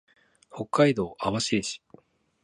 北海道網走市